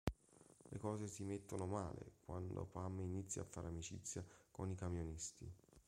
Le cose si mettono male quando Pam inizia a far amicizia con i camionisti.